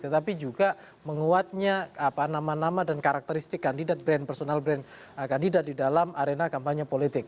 tetapi juga menguatnya nama nama dan karakteristik kandidat brand personal brand kandidat di dalam arena kampanye politik